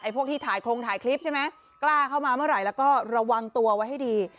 พวกที่ถ่ายโครงถ่ายคลิปใช่ไหมกล้าเข้ามาเมื่อไหร่แล้วก็ระวังตัวไว้ให้ดี